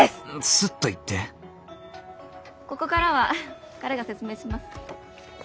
スッと言ってここからは彼が説明します。